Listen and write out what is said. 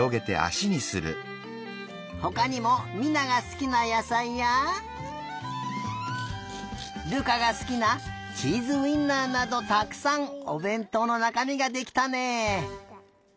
ほかにも美菜がすきなやさいや瑠珂がすきなチーズウインナーなどたくさんおべんとうのなかみができたね。